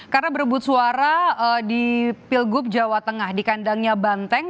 karena berebut suara di pilgub jawa tengah di kandangnya banteng